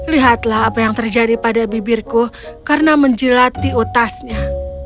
lihatlah apa yang terjadi pada bibirku karena menjelati otasnya